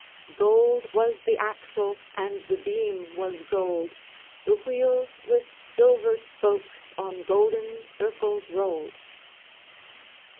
"Gold was the axle, and the beam was gold; The wheels with silver spokes on golden circles roll'd."